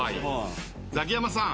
ザキヤマさん。